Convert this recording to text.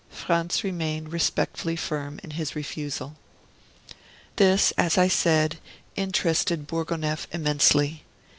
Franz remained respectfully firm in his refusal. This, as I said, interested Bourgonef immensely.